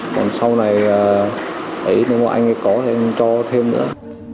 còn sau này nếu anh có thì em cho thêm nữa